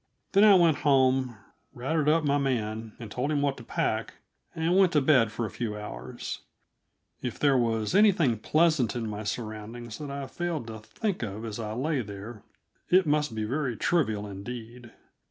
Then I went home, routed up my man, and told him what to pack, and went to bed for a few hours; if there was anything pleasant in my surroundings that I failed to think of as I lay there, it must be very trivial indeed.